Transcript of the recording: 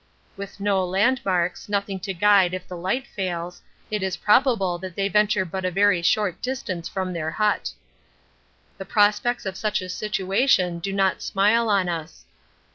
With no landmarks, nothing to guide if the light fails, it is probable that they venture but a very short distance from their hut. The prospects of such a situation do not smile on us.